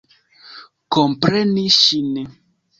Kompreni ŝin.